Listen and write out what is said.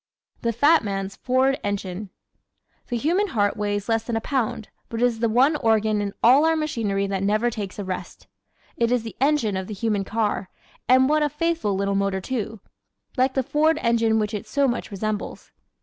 The Fat Man's Ford Engine ¶ The human heart weighs less than a pound but it is the one organ in all our machinery that never takes a rest. It is the engine of the human car, and what a faithful little motor too like the Ford engine which it so much resembles.